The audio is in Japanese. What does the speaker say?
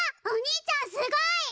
お兄ちゃんすごい！